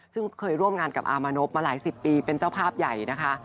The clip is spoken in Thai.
ซึ่งเคยร่วมงานกับอามานพมาหลายสิบปีเป็นเจ้าภาพใหญ่นะคะ